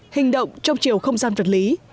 hình động trong chiều không gian vật lý